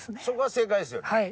そこは正解ですよね？